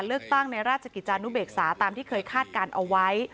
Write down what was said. เลือกตั้งในราชกิจจานุเบกษาตามที่เคยคาดการณ์เอาไว้